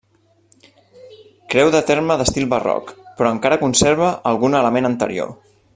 Creu de terme d'estil barroc, però encara conserva algun element anterior.